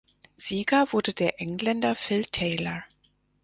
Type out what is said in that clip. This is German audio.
Sieger wurde der Engländer Phil Taylor.